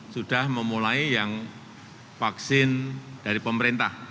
sudah memulai yang vaksin dari pemerintah